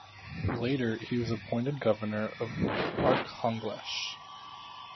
Later he was appointed governor of Arkhangelsk.